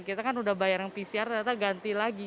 kita kan udah bayar yang pcr ternyata ganti lagi